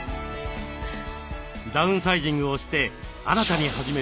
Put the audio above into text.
ダウンサイジングをして新たに始めたランニング。